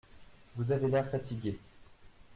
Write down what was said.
Vous avez l’air fatigué.